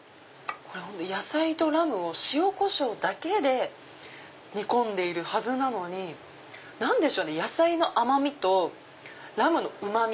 野菜とラムを塩コショウだけで煮込んでいるはずなのに野菜の甘みとラムのうま味。